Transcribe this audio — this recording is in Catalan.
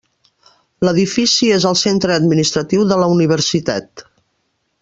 L'edifici és el centre administratiu de la universitat.